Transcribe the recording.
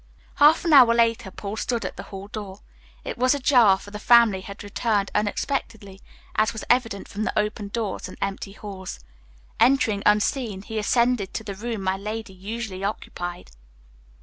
Half an hour later, Paul stood at the hall door. It was ajar, for the family had returned unexpectedly, as was evident from the open doors and empty halls. Entering unseen, he ascended to the room my lady usually occupied.